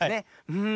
うん。